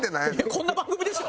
こんな番組でしょ。